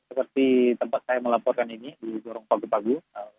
seperti tempat saya melaporkan ini di gorong pagu pagu